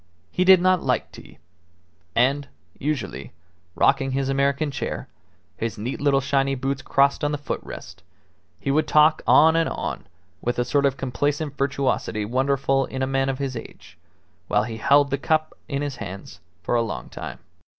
He did not like tea; and, usually, rocking his American chair, his neat little shiny boots crossed on the foot rest, he would talk on and on with a sort of complacent virtuosity wonderful in a man of his age, while he held the cup in his hands for a long time.